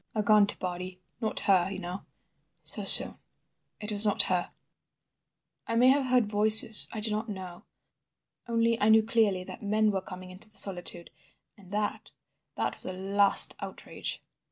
A gaunt body. Not her, you know. So soon—it was not her .... "I may have heard voices. I do not know. Only I knew clearly that men were coming into the solitude and that that was a last outrage.